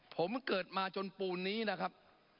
ผมเกิดมาจนปูนนี้นะครับ